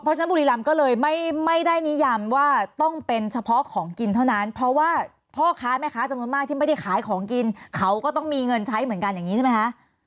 เพราะฉะนั้นบุรีรำก็เลยไม่ได้นิยำว่าต้องเป็นเฉพาะของกินเท่านั้นเพราะว่าพ่อค้าแม่ค้าจำนวนมากที่ไม่ได้ขายของกินเขาก็ต้องมีเงินใช้เหมือนกันอย่างนี้ใช่ไหมคะ